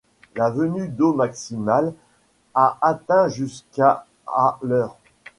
La venue d'eau maximale a atteint jusqu'à à l'heure.